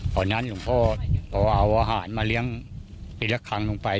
ตอนนั้นลุงพ่อพอเอาอาหารมาเลี้ยงตีละครั้งลงไป